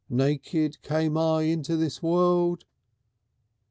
Naked came I into the world...."